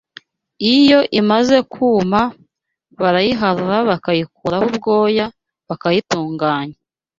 Iyo imaze kuma barayiharura bakayikuraho ubwoya bakayitunganya